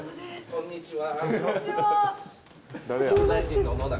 こんにちは。